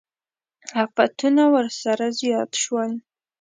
افتونه ورسره زیات شول.